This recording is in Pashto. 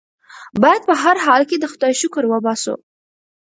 بايد په هر حال کې د خدای شکر وباسو.